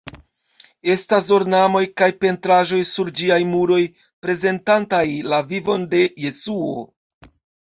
Estas ornamoj kaj pentraĵoj sur ĝiaj muroj prezentantaj la vivon de Jesuo.